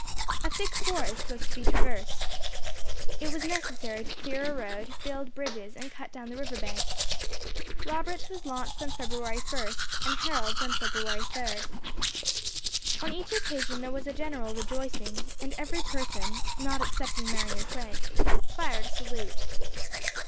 A thick forest was to be traversed. It was necessary to clear a road, build bridges, and cut down the river bank. Robert's was launched on February 1st, and Harold's on February 3d. On each occasion there was a general rejoicing, and every person, not excepting Mary and Frank, fired a salute.